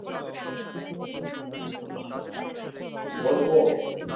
প্রভুই যথাসময়ে আমাকে পথ দেখাইবেন।